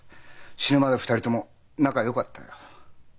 死ぬまで２人とも仲よかったよ。